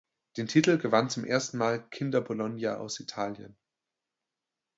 Den Titel gewann zum ersten Mal Kinder Bologna aus Italien.